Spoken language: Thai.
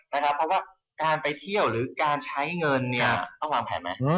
เพราะว่าการไปเที่ยวหรือการใช้เงินเนี่ยต้องวางแผนไหม